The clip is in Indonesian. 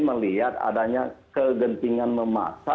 melihat adanya kegentingan memaksa